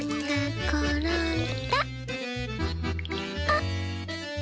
あっ！